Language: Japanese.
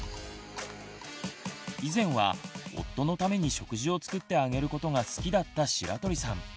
以前は夫のために食事を作ってあげることが好きだった白鳥さん。